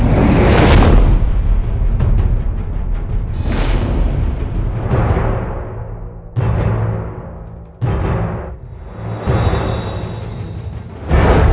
dan juga jangan lupa